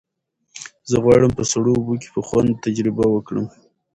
زه غواړم په سړو اوبو کې په خوند تجربه وکړم.